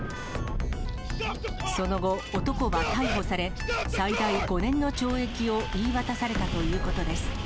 その後、男は逮捕され、最大５年の懲役を言い渡されたということです。